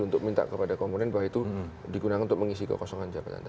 untuk minta kepada komponen bahwa itu digunakan untuk mengisi kekosongan jabatan